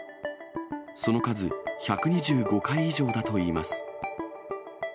その数、１２５回以上だといいます。